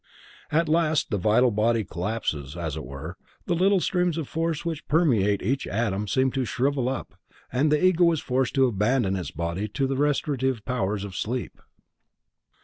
At last the vital body collapses, as it were, the little streams of force which permeate each atom seem to shrivel up, and the Ego is forced to abandon its body to the restorative powers of sleep.